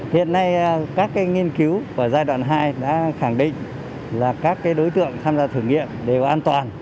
hiện nay các nghiên cứu của giai đoạn hai đã khẳng định là các đối tượng tham gia thử nghiệm đều an toàn